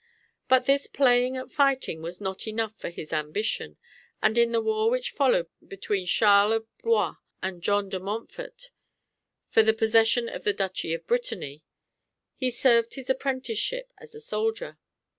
But this playing at fighting was not enough for his ambition; and in the war which followed between Charles of Blois and John de Montfort, for the possession of the Duchy of Brittany, he served his apprenticeship as a soldier.